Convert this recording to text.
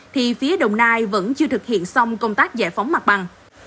thì phía đồng nai vẫn chưa thực hiện xong công tác giải phóng mặt bằng